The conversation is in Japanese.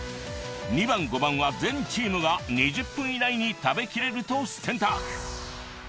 ２番５番は全チームが２０分以内に食べきれると選択。